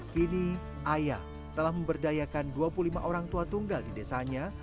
kini ayah telah memberdayakan dua puluh lima orang tua tunggal di desanya